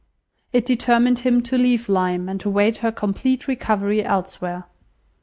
It determined him to leave Lyme, and await her complete recovery elsewhere.